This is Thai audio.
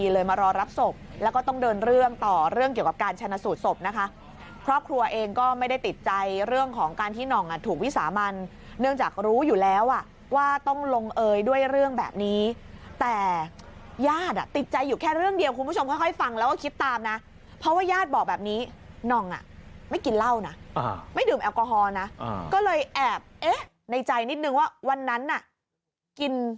ติดต่อไม่ได้ค่ะติดต่อไม่ได้ค่ะติดต่อไม่ได้ค่ะติดต่อไม่ได้ค่ะติดต่อไม่ได้ค่ะติดต่อไม่ได้ค่ะติดต่อไม่ได้ค่ะติดต่อไม่ได้ค่ะติดต่อไม่ได้ค่ะติดต่อไม่ได้ค่ะติดต่อไม่ได้ค่ะติดต่อไม่ได้ค่ะติดต่อไม่ได้ค่ะติดต่อไม่ได้ค่ะติดต่อไม่ได้ค่ะติดต่อไม่ได้ค่ะติดต่อไม่ได้ค่ะ